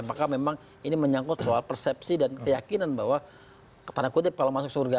apakah memang ini menyangkut soal persepsi dan keyakinan bahwa tanda kutip kalau masuk surga